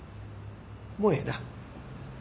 もうええな。